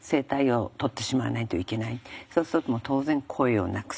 そうすると当然声をなくす。